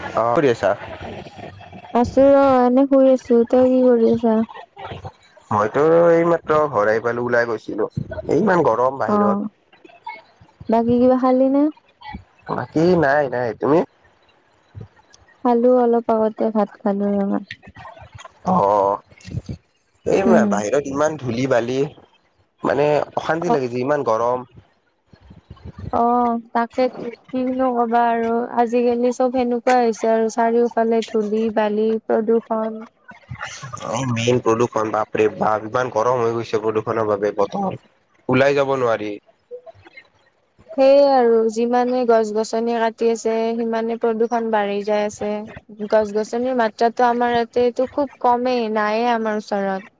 অ! কি কৰি আছা? আছো ৰ এনে শুই আছো । তুমি এতিয়া কি কৰি আছা? মইতো, এইমাত্ৰ ঘৰ আহি পালো ।ওলাই গৈছিলো এই ইমান গৰম অ বাহিৰত! বাকী কিবা খালি নে? বাকী নাই, নাই তুমি? খালো অলপ ঘৰতে ভাত খালো আৰু অঁ! এই উম বাহিৰত ইমান ধূলি- বালি মানে অশান্তি অ লাগিছে ইমান গৰম । অ! তাকে কিনো কবা আৰু আজিকালি চব সেনেকুৱাই হৈছে আৰু চাৰিওফালে ধূলি -বালি প্ৰদূষণ। অ! মেইন প্ৰদূষণ বাপৰে বাপ ইমান গৰম হৈ গৈছে প্ৰদূষণৰ বাবে, বতৰ ওলাই যাব নোৱাৰি । সেয়ে আৰু যিমানে গছ গছনি কাটি আছে, সিমানে প্ৰদূষণ বাঢ়ি যাই আছে গছ- গছনিৰ মাত্ৰাটো আমাৰ ইয়াতেটো খুব কমেই নায়েই আমাৰ ওচৰত ।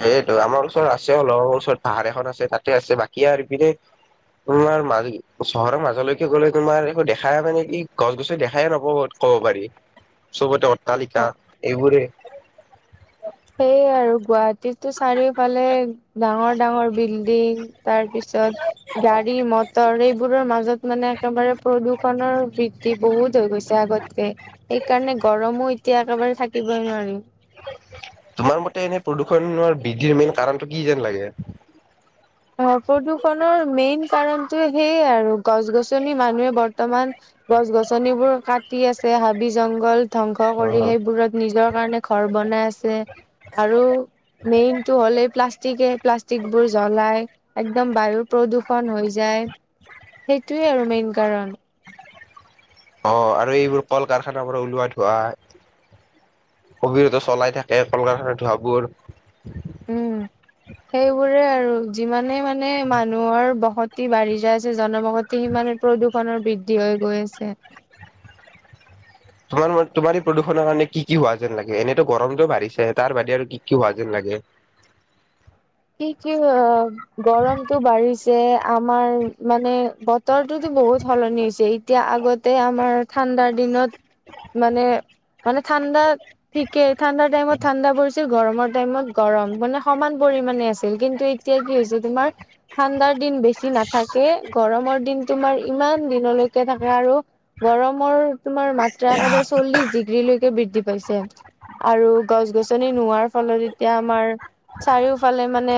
সেইটো আমাৰ ওচৰত আছে অলপ, ওচৰত পাহাৰ এখন আছে তাতে আছে বাকী আৰু ইপিনে তোমাৰ মাজ চহৰৰ মাজলৈকে গলে তোমাৰ একো দেখা নেপায় নেকি, গছ- গছনি দেখাই নেপাব কব পাৰি! তালিকা অ এইবোৰে। [inaudible] টো চাৰিওফালে ডাঙৰ, ডাঙৰ বিল! তিং! তাৰ পিছত গাড়ী, মটৰ এই বোৰৰ মাজত মানে একেবাৰে প্ৰদূষণৰ বৃদ্ধি বহুত হৈ গৈছে আগতকে সেইকাৰণে গৰমো এতিয়া একেবাৰে থাকিবই নোৱাৰিম তোমাৰ মতে এনে প্ৰদূষণ বৃদ্ধিৰ মেইন কাৰণটো কি যেন লাগে। অ প্ৰদূষণৰ মেইন কাৰণটো সেইয়ে আৰু গছ গছনি মানুহে বৰ্তমান গছ গছনিবোৰ কাটি আছে হাবি জংঘল ধ্বংস কৰি সেইবোৰত নিজৰ কাৰণে ঘৰ বনাই আছে আৰু মেইন টো হ'লে প্লাষ্ট টিকে প্লাষ্টিকবোৰ জ্বলাই একদম বায়ুৰ প্ৰদূষণ হৈ যায় সেইটোৱে আৰু মেইন কাৰণ অ আৰু এইবোৰ কল কাৰখানাৰ পৰা ওলোৱা ধোঁৱা কবিৰত চলাই থাকে কল কাৰখানা ধোঁৱাবোৰ উম সেইবোৰে আৰু যিমানে মানে মানুহৰ বসতি বাঢ়ি যাইছে জনবসতি সি মানে প্ৰদুক ষনৰ বৃদ্ধি হৈ গৈ আছে তোমাৰ ম তোমাৰ এ প্ৰদূষণৰ কাৰণে কি কি হোৱা যেন লাগে এনেতো গৰমতো বাঢ়িছে তাৰ বাদে আৰু কি কি হোৱা যেন লাগে কি কি অ গৰমতো বাঢ়িছে আমাৰ মানে বতৰটোতো বহুত সলনি হৈছে এতিয়া আগতে আমাৰ ঠাণ্ডাৰ দিনত মানে মানে ঠাণ্ডা ঠিকে ঠাণ্ডাৰ টাইমত ঠাণ্ডা পৰিছে। গৰমৰ টাইমত গৰম মানে সমান পৰি মানে আছিল কিন্তু এতিয়া কি হৈছে তোমাৰ ঠাণ্ডাৰ দিন বেছি নাথাকে গৰমৰ দিন তোমাৰ ইমান দিনলৈকে থাকে আৰু গৰমৰ তোমাৰ মাত্ৰা একেবাৰে চল্লিশ ডিগ্ৰী লৈ বৃদ্ধি পাইছে আৰু গছ গছনি নোহোৱাৰ ফলত এতিয়া আমাৰ চাৰিও ফালে মানে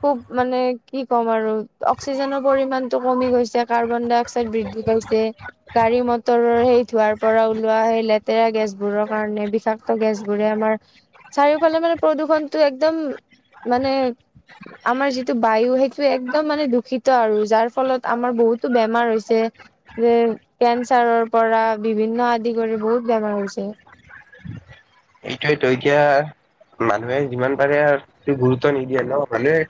খুব মানে কি ক'ম আৰু অক্সিজেনৰ পৰিমানতটো কমি গৈছে কাৰ্বন ডাই অক্সাইড বৃদ্ধি পাইছে গাড়ী মটৰৰ সেই ধুৱাৰ পৰা ওলোৱা সেই লেতেৰা গেছবোৰৰ কাৰণে বিষাক্ত গেছবোৰে আমাৰ চাৰিওফালে মানে প্ৰদূষণটো একদম মানে আমাৰ যিটো বায়ু সেইটো একদম মানে দূষিত আৰু যাৰ ফলত আমাৰ বহুতো বেমাৰ হৈছে যে কেঞ্চাৰৰ পৰা বিভিন্ন আদি কৰি বহুত বেমাৰ হৈছে এইটোতো এতিয়া মানুহে যিমান পাৰে গুৰুত্ব নিদিয়ে ন মানুহে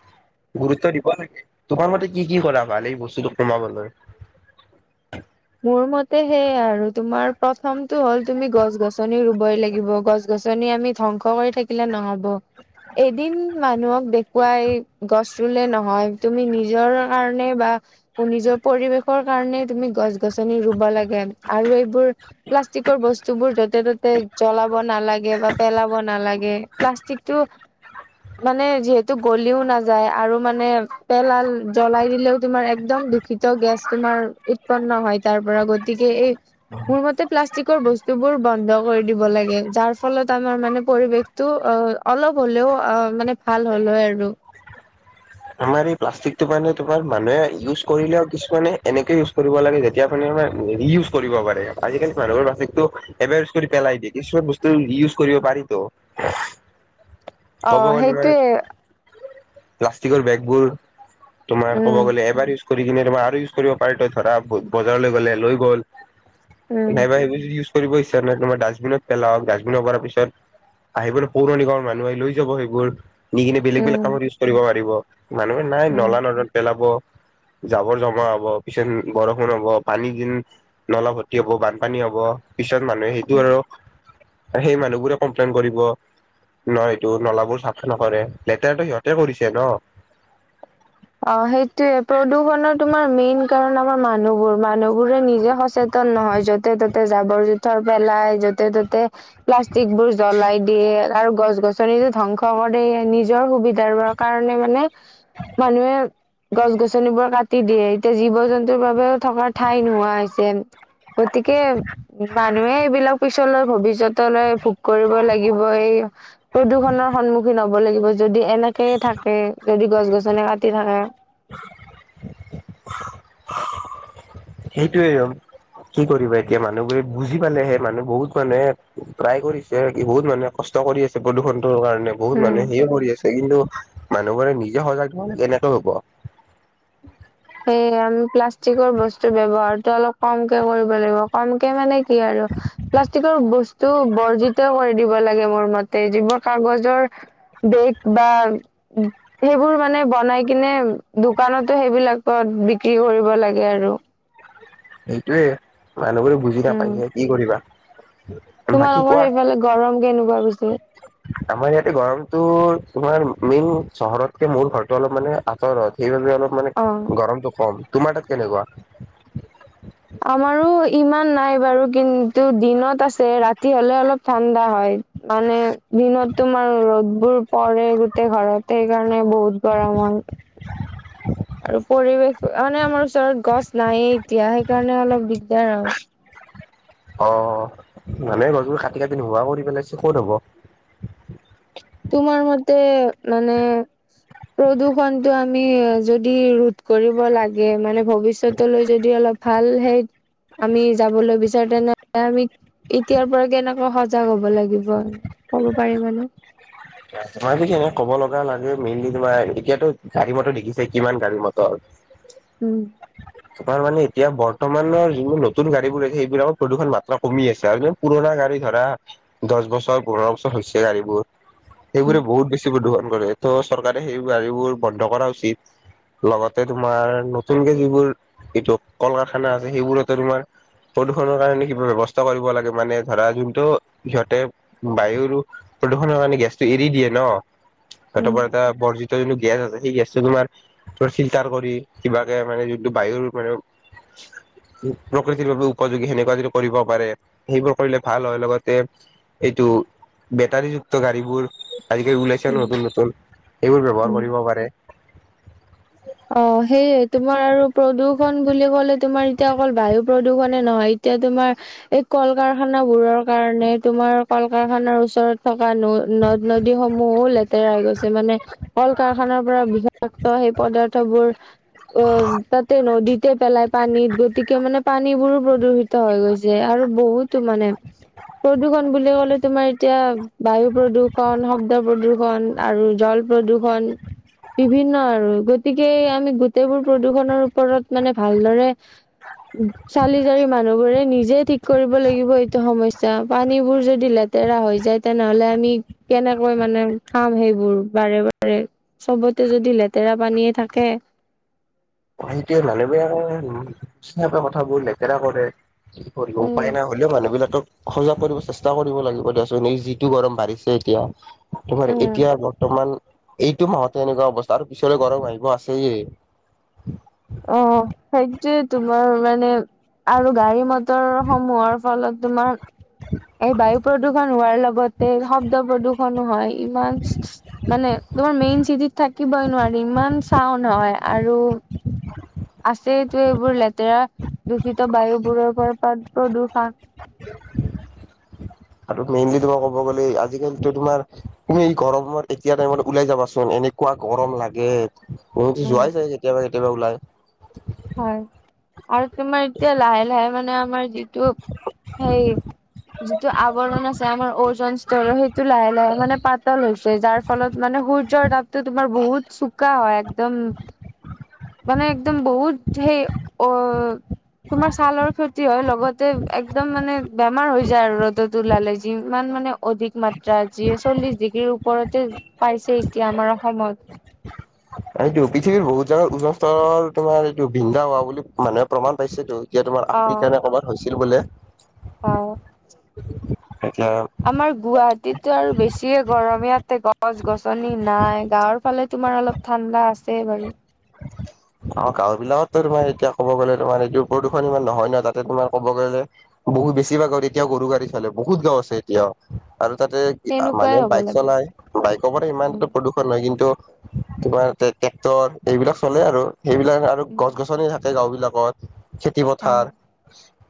গুৰুত্ব দিব লাগে তোমাৰ মতে কি কি কৰা ভাল এই বস্তুটো কমাবলৈ মোৰ মতে সেইয়াই আৰু তোমাৰ প্ৰথমতটো হ'ল তুমি গছ গছনি ৰুবই লাগিব গছ গছনি আমি ধ্বংস কৰি থাকিলে নহব এদিন মানুহক দেখুৱাই গছ ৰুলে নহয় তুমি নিজৰ কাৰণে বা নিজৰ পৰিৱেশৰ কাৰনে তুমি গছ গছনি ৰুব লাগে আৰু এইবোৰ প্লাষ্টিকৰ বস্তু বোৰ য'তে ত'তে জ্বলাব নালাগে বা পেলাব নালাগে প্লাষ্টিকতটো মানে যিহেতু গলিও নাযায় আৰু মানে পেলাল জ্বলাই দিলেও তোমাৰ একদম দূষিত গেছ তোমাৰ উৎপন্ন হয় তাৰ পৰা গতিকে এই মোৰ মতে প্লাষ্টিকৰ বস্তুবোৰ বন্ধ কৰি দিব লাগে যাৰ ফলত আমাৰ মানে পৰিৱেশটো অলপ হ'লেও আহ মানে ভাল হল হয় আৰু তোমাৰ এই প্লাষ্টিকটো মানে তোমাৰ মানুহে ইউজ কৰিলেও কিছুমানে এনেকে ইউজ কৰিব লাগে যেতিয়া ৰিইউজ কৰিব পাৰে আজিকালি মানুহৰ প্লাষ্টিকটো এবাৰ ইউজ কৰি পেলাই দিয়ে কিছুমান বস্তু ৰিইউজ কৰিব পাৰিতো। ক'ব আহ গ'লে তোমাৰ সেইটোৱে প্লাষ্টিকৰ বেগ বোৰ তোমাৰ ক'ব উম গ'লে এবাৰ কৰি কিনে তোমাৰ আৰু ইউজ কৰিব পাৰি ত ধৰা বজাৰলৈ গলে লৈ গ'ল উম নাইবা সব য কৰিব ইচ্ছা নাই তোমাৰ ডাষ্টবিনত পেলাওক ডাষ্টবিন পৰা পিছত আহিবলৈ পৌৰ নিগমৰ মানুহ আহি লৈ যাব সেইবোৰ নি কিনে বেলেগ বেলেগ উম কামত ইউজ কৰিব পাৰিব মানুহে নাই উম নলা নদত পেলাব। জাবৰ জমা হব পিছত বৰষুণ হব পানী দিন নলা ভৰ্তি হ'ব বানপানী হ'ব পিছত মানুহে সেইটো উম আৰু সেই মানুহ বোৰে কমপ্লেইন কৰিব ন এইটো নলাবোৰ চাফা নকৰে লেতেৰাটো সিহঁতে কৰিছে ন। অ সেইটয়ে প্ৰদূষণৰ তোমাৰ মেইন কাৰণ আমাৰ মানুহবোৰ মানুহবোৰে নিজে সচেতন নহয় য'তে ত'তে জাবৰ জোথৰ পেলাই য'তে ত'তে প্লাষ্টিকবোৰ জ্বলাই দিয়ে আৰু গছ গছনি ধ্বংস কৰে নিজৰ সুবিধাৰ কাৰণে মানে মানুহে গছ-গছনিবোৰ কাটি দিয়ে। এতিয়া জীৱ-জন্তুৰ বাবেও থকাৰ ঠাই নোহোৱা হৈছে। গতিকে মানুহে এইবিলাক পিছলৈ ভৱিষ্যতলৈ ভোগ কৰিব লাগিব। এই প্ৰদূষণৰ সন্মুখীন হব লাগিব, যদি এনেকে থাকে, যদি গছ-গছনী যেনে কাটি থাকে সেইটোয়ে কি কৰিব। এতিয়া মানুহবো বুজি পালেহে মানুহ বহুত মানুহে ট্ৰাই কৰিছে, বহুত মানুহে কষ্ট কৰি আছে। প্ৰদূষণ কাৰণে, বহুত উম মানুহ সিয়ে কৰি আছে কিন্তু মানুহবোৰে নিজে সজাগ হোৱা নাই, কেনেকৈ হ'ব। সেয়ে আমি প্লাষ্টিকৰ বস্তু ব্যৱহাৰতটো অলপ কমকে কৰিব লাগিব। কমকে মানে কি আৰু প্লাষ্টিকৰ বস্তু বৰ্জিত কৰি দিব লাগে, মোৰ মতে যিবোৰ কাগজৰ বেগ বা সেইবোৰ মানে বনাই কিনে দোকানতো, সেইবিলাক বিক্ৰী কৰিব লাগে আৰু সেইটোৱে মানুহবোৰে বুজি উম নাপাইছে কি কৰিবা। হয় [inaudible] তোমালোকৰ সেইফালে গৰম কেনেকুৱা? [inaudible] আমাৰ ইয়াতে গৰমতটো তোমাৰ মেইন, চহৰতকে মোৰ ঘৰটো অলপ মানে আঁতৰ। সেইবাবে ত মানে অ গৰমটো কম। তোমাৰ তাত কেনেকুৱা? আমাৰো ইমান নাই বাৰু কিন্তু দিনত আছে, ৰাতি হ'লে অলপ ঠাণ্ডা হয়। মানে দিনত তোমাৰ ৰ'দ বোৰ পৰে গোটেই ঘৰতে, সেইকাৰণে মানে বহুত গৰম হয় আৰু পৰিৱেশ মানে আমাৰ ওচৰত গছ নায়েই, এতিয়া সেইকাৰণে অলপ দিগদাৰ আৰু। অ' মানুহে গছবোৰ কাটি-কাটি নোহোৱা কৰি পেলাইছে ক'ত হব। তোমাৰ মতে মানে প্ৰদূৰ্ষনটো আমি যদি ৰোধ কৰিব লাগে, মানে ভৱিষ্যতলৈ যদি অলপ ভাল হে আমি যাবলৈ বিচাৰো। তেনেহলে আমি এতিয়াৰ পৰা কেনেকৈ সজাগ হব লাগিব ক'ব পাৰিবানে? তোমাৰ পি এনে ক'ব লগা লাগে মেইনলি, তোমাৰ এতিয়াতো গাড়ী মটৰ দেখিছে কিমান গাড়ী মটৰ উম, তাৰ মানে এতিয়া বৰ্তমানৰ যিবোৰ নতুন গাড়ীবোৰ আছে। সেইবিলাকত প্ৰদূষণ মাত্ৰা কমি আছে আৰু পুৰণা গাড়ী ধৰা দহ বছৰ পোন্ধৰ বছৰ হৈছে, গাড়ীবোৰ সেইবোৰে উম বহু বেছি প্ৰদূষণ হয়। ত' চৰকাৰে সেই গাড়ীবোৰ বন্ধ কৰা উচিত, লগতে তোমাৰ নতুনকে যিবোৰ এইটো কল-কাৰখানা আছে। সেইবোৰ তোমাৰ প্ৰদূষণৰ কাৰণে কিবা ব্যৱস্থা কৰিব লাগে। মানে ধৰা যোনটো সিহঁতে বায়ুৰ প্ৰদূষণৰ, কাৰণে গেছ এৰি দিয়ে ন সেইটো উম, কাৰণে বৰ্জিত যোনটো গেছ আছে সেই গেছটো তোমাৰ ফিল্টাৰ কৰি কিবাকে মানে যোনটো বায়ুৰ মানে প্ৰকৃতিৰ বাবে উপযোগী সেনেকুৱা যদি কৰিব পাৰে সেইবোৰ কৰিলে ভাল হয়। লগতে এইটো বেটাৰীযুক্ত গাড়ীবোৰ আজিকালি ওলাইছে উম, নতুন-নতুন সেইবোৰ ব্যৱহাৰ উম। কৰিব পাৰে। অ, সেয়ে তোমাৰ আৰু প্ৰদূষণ বুলি কলে, তোমাৰ এতিয়া অকল বায়ু প্ৰদূষণে নহয়। এতিয়া তোমাৰ এই কল কাৰখানাবোৰৰ কাৰণে তোমাৰ কল কাৰখানাৰ ওচৰত থকা ন-নদ নদীসমূহো লেতেৰা‌ হৈ গৈছে। মানে কল কাৰখানাৰ পৰা বিষাক্ত সেই পদাৰ্থ বোৰ, অ তাতে নদীতে পেলাই পানীত গতিকে মানে পানীবোৰো প্ৰদূষিত হৈ গৈছে আৰু বহুতো, মানে প্ৰদূষণ বুলি ক'লে তোমাৰ এতিয়া বায়ু প্ৰদূষণ, শব্দ প্ৰদূষণ আৰু জল প্ৰদূষণ বিভিন্ন আৰু গতিকে আমি গোটেইবোৰ প্ৰদূষণৰ ওপৰত, মানে ভালদৰে চালি-জাৰি মানুহবোৰে নিজে ঠিক কৰিব লাগিব এইটো সমস্যা। পানীবোৰ যদি লেতেৰা হৈ যায়, তেনেহলে আমি কেনেকৈ মানে খাম? সেইবোৰ বাৰে-বাৰে চবতে যদি লেতেৰা পানীয়ে থাকে। সেইটোৱে, মানুহবোৰে আৰু বুজি নাপায় কথাবোৰ লেতেৰা কৰে। কি কৰিব উম উপায় নাই হ'লেও মানুহবিলাক সজাগ কৰিব চেষ্টা কৰিব লাগিব দিয়াচোন এ যিটো গৰম বাঢ়িছে এতিয়া। উম এতিয়া বৰ্তমান এইটো মাহতে এনেকুৱা অৱস্থা আৰু পিছলৈ গৰম আহিব আছেই। অ অ সেইটোৱে তোমাৰ মানে আৰু গাড়ী মটৰ সমূহৰ ফলত তোমাৰ এই বায়ু প্ৰদূষণ হোৱাৰ লগত এই শব্দ প্ৰদূষনো হয় ইমান মানে তোমাৰ মেইন চিটিত থাকিবই নোৱাৰি ইমান চাউণ্ড হয় আৰু [inaudible] আছেতো এইবোৰ লেতেৰা দূষিত বায়ুবোৰৰ পৰা প্ৰদ-প্ৰদূষণ আৰু মেইনলি তোমাৰ কব গ'লে আজিকালিতো তোমাৰ তুমি এই গৰমত এতিয়া টাইমত ওলাই যাবাচোন এনেকুৱা গৰম লাগে মোৰতো উম যোৱাই চাই কেতিয়াবা কেতিয়াবা ওলায় হয়। আৰু তোমাৰ এতিয়া লাহে লাহে মানে আমাৰ এইটো হেৰি যিটো আৱৰণ আছে আমাৰ ওজন স্তৰৰ সেই টো লাহে লাহে মানে পাতল হৈছে। যাৰ ফলত মানে সূৰ্যৰ তাপটো তোমাৰ বহুত চোকা হয় একদম মানে একদম বহুত সেই অ তোমাৰ ছালৰ ক্ষতি হয় লগতে একদম মানে বেমাৰ হৈ যায় আৰু ৰ'দত ওলালে। যিমান মানে অধিক মাত্ৰা যিয়ে চল্লিশ ডিগ্ৰীৰ ওপৰতে পাইছে এতিয়া আমাৰ অসমত। এইটো পৃথিৱীৰ বহুত জাগাত উজন স্তৰৰ তোমাৰ এইটো বিন্ধা হোৱা বুলি মানুহে প্ৰমাণ পাইছেটো। এতিয়া তোমাৰ অ আফ্ৰিকা নে ক'বাত হৈছিল বোলে। অ এতিয়া আমাৰ গুৱাহাটীততো আৰু বেছিয়ে গৰমে গছ গছনি নাই গাঁৱৰ ফালে তোমাৰ অলপ ঠাণ্ডা আছে বাৰু। অ গাঁও বিলাকততো তোমাৰ এতিয়া ক'ব গ'লে তোমাৰ এইটো প্ৰদূষণ ইমান নহয় নহ তাতে তোমাৰ ক'ব গ'লে বহুত বেছিভাগৰ এতিয়া গৰু গাড়ী চলে। বহুত গাও আছে এতিয়াও আৰু তাতে তেনেকুৱাই মানুহে হ'ব বাইক লাগে চলাই বাইকৰ পৰা উম ইমানটো প্ৰদূষণ নহয় কিন্তু তোমাৰ ট্ৰেক্টৰ এইবিলাক চলে আৰু। সেইবিলাক আৰু উম গছ গছনি থাকে। সেই গাঁওবিলাকত খেতি অ পথাৰ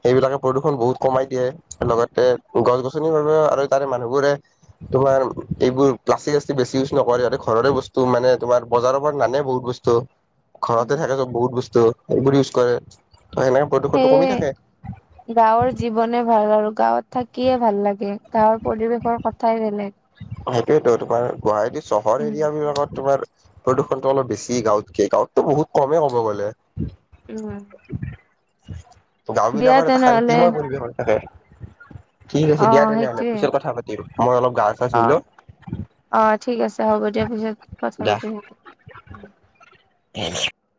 সেইবিলাকে প্ৰদূষণ বহুত কমাই দিয়ে লগতে গছ গছনিৰ আৰু তাৰে মানুহবোৰে তোমাৰ এইবোৰ প্লাষ্টিক চাষ্টিক বেছি ইউজ নকৰে আৰু ঘৰৰে বস্তু মানে তোমাৰ বজাৰৰ পৰা নানে বেছি বস্তু বহুত বস্তু ঘৰতে উম থাকেটো বহুত বস্তু সেইবোৰ ইউজ কৰে ত সেনেকে প্ৰদূষণটো কমি সেয়ে থাকে গাঁৱৰ জীৱনে ভাল আৰু গাঁৱত থাকিয়ে ভাল লাগে। গাঁৱৰ পৰিৱেশৰ কথাই বেলেগ। অ সেইটোৱেটো তোমাৰ বঢ়াই দি চহৰ উম, এৰিয়া বিলাকত তোমাৰ প্ৰদূষণটো অলপ বেছি গাঁৱতকে। গাঁৱততো বহুত কমেই ক'ব গ'লে। উম। [inaudible] গাও দিয়া বিলাকৰ এটা তেনেহ'লে শান্তিময় পৰিৱেশত থাকে। ঠিক আছে দিয়া অ', তেনেহ'লে সেইটোৱে পিছত কথা পাতিম। মই অলপ গা চা ধুই অ।' লওঁ অ' ঠিক আছে হ'ব দিয়া পিছত কথা দিয়া পাতিম। [unintelligible]